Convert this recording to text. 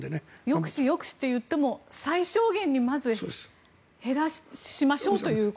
抑止、抑止といっても最小限にまず減らしましょうということを。